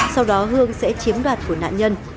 sau đó hương sẽ chiếm đoạt của nạn nhân